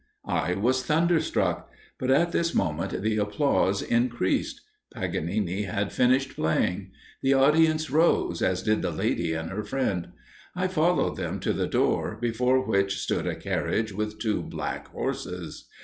I was thunderstruck; but at this moment the applause increased. Paganini had finished playing. The audience rose, as did the lady and her friend. I followed them to the door, before which stood a carriage with two black horses.